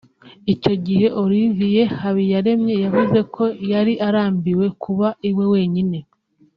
Icyo gihe Olivier Habiyaremye yavuze ko yari arambiwe kuba iwe wenyine